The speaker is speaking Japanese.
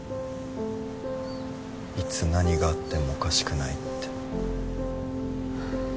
いつ何があってもおかしくないって。